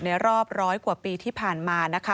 ในรอบร้อยกว่าปีที่ผ่านมา